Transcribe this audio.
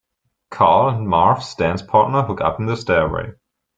Carl and Marv's dance partner hook up in the stairway.